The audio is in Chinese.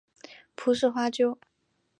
蒲氏花楸